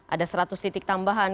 ada seratus titik tambahan